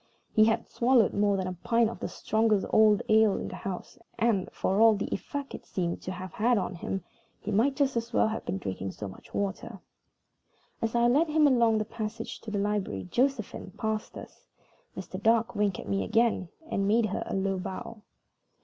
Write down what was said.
He had swallowed more than a pint of the strongest old ale in the house; and, for all the effect it seemed to have had on him, he might just as well have been drinking so much water. As I led him along the passage to the library Josephine passed us. Mr. Dark winked at me again, and made her a low bow.